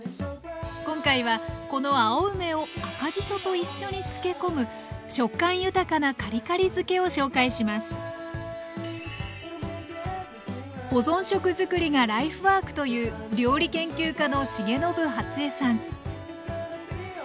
今回はこの青梅を赤じそと一緒に漬け込む食感豊かな「カリカリ漬け」を紹介します保存食作りがライフワークという料理研究家の重信初江さん